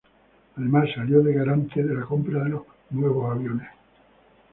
Además, salió de garante de la compra de los nuevos aviones.